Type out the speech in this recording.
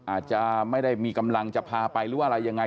อาจจะไม่ได้มีกำลังจะพาไปหรือว่าอะไรยังไง